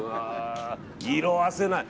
色あせない。